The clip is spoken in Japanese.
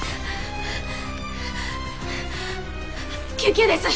救急です！